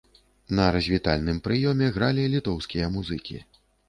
На развітальным прыёме гралі літоўскія музыкі.